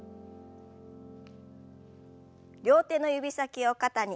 両手の指先を肩に。